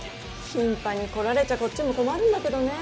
頻繁に来られちゃこっちも困るんだけどね。